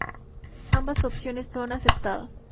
Ambas opciones son aceptadas.